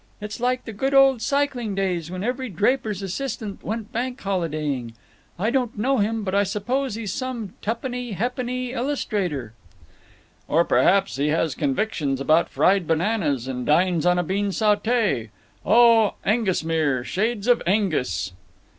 It's like the good old cycling days, when every draper's assistant went bank holidaying…. I don't know him, but I suppose he's some tuppeny ha'p'ny illustrator." "Or perhaps he has convictions about fried bananas, and dines on a bean saute. O Aengusmere! Shades of Aengus!"